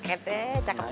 kita selfie dulu dong baby